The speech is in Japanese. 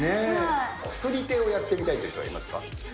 作り手をやってみたいという人はいますか？